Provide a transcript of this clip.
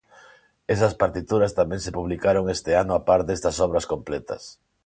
Esas partituras tamén se publicaron este ano á par destas obras completas.